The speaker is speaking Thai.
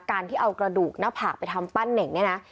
การที่เอากระดูกหน้าผากไปทำปั้นเน่งเนี่ยนะ